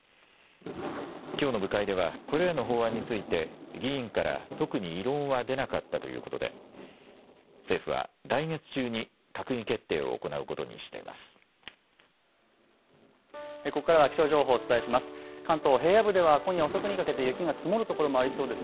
きょうの部会ではこれらの法案について議員から特に異論は出なかったということで、政府は来月中に閣議決定を行うことにしています。